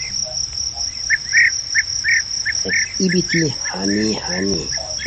ہیت ای بیتی ہانی ہانی